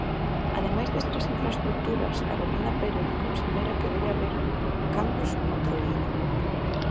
Ademais destas infraestruturas, Carolina Pérez considera que debe haber cambios noutro eido.